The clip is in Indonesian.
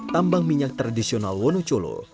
tambang minyak tradisional wonocolo